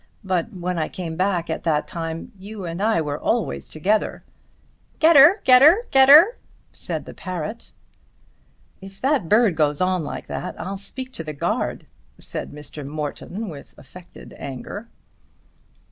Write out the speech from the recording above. But when I came back at that time you and I were always together." "Gedder, gedder, gedder," said the parrot. "If that bird goes on like that I'll speak to the guard," said Mr. Morton with affected anger.